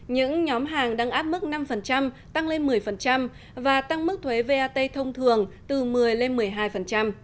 những nhóm hàng đang áp mức năm tăng lên một mươi và tăng mức thuế vat thông thường từ một mươi lên một mươi hai